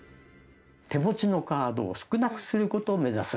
手持ちのカードを少なくすることを目指す。